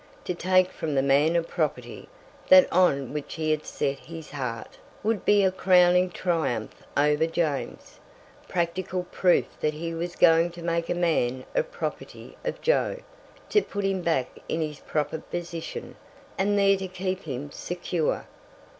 To take from the "man of property" that on which he had set his heart, would be a crowning triumph over James, practical proof that he was going to make a man of property of Jo, to put him back in his proper position, and there to keep him secure.